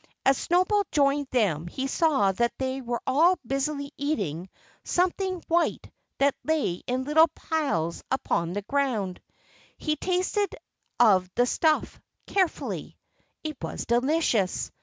As Snowball joined them he saw that they were all busily eating something white that lay in little piles upon the ground. He tasted of the stuff, carefully. It was delicious.